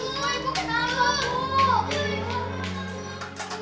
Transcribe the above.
bu ibu kenapa